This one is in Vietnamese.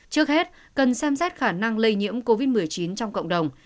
trước hết cần xem xét khả năng lây nhiễm covid một mươi chín trong cộng đồng